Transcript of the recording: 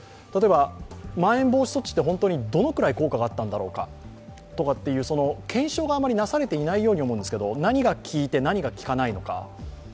例えばまん延防止等重点措置ってどのくらい効果があったんだろうかとか検証があまりなされていないように思うんですが何が効いて何が効かないのか。